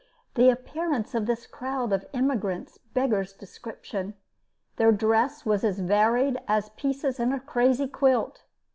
] The appearance of this crowd of emigrants beggars description. Their dress was as varied as pieces in a crazy quilt.